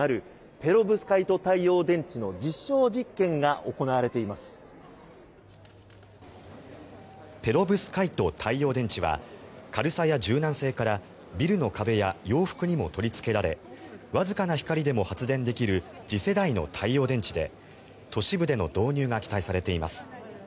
ペロブスカイト太陽電池は軽さや柔軟性からビルの壁や洋服にも取りつけられわずかな光でも発電できる次世代の太陽電池で都市部での導入が期待されています。